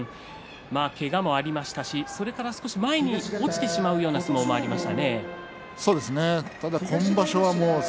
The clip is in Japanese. けがもありましたしそれから前に落ちてしまうような相撲もありました。